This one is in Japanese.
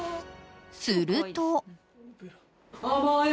［すると］